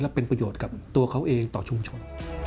และเป็นประโยชน์กับตัวเขาเองต่อชุมชน